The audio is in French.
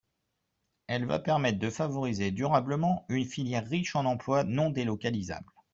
Elle va permettre de favoriser durablement une filière riche en emplois non délocalisables.